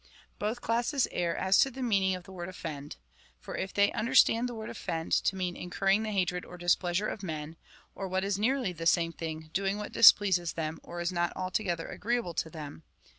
Both classes err as to the meaning of the word offend. For they understand the word offend to mean, incurring the hatred or displeasure of men, or what is nearly the same thing, doing what displeases them, or is not altogether agreeable to them.